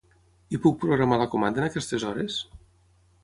I puc programar la comanda en aquestes hores?